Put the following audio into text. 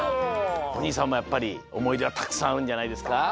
おにいさんもやっぱりおもいではたくさんあるんじゃないですか？